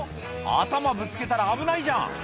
頭ぶつけたら危ないじゃん